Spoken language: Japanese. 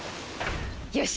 よし！